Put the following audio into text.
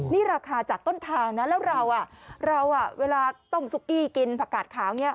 นี่ราคาจากต้นทางนั้นแล้วเราต้มซุกิกินผักกาสขาวนี้